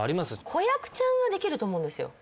子役ちゃんはできると思うんですよ